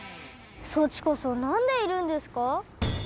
そっちこそなんでいるんですか？